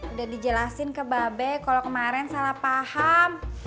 udah dijelasin ke babe kalo kemaren salah paham